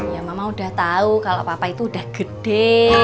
ya mama udah tau kalo papa itu udah gede